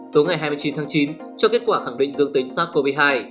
tối ngày hai mươi chín tháng chín cho kết quả khẳng định dương tính sars cov hai